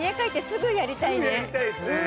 すぐやりたいですね。